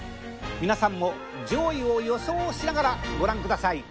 皆さんも上位を予想しながらご覧ください。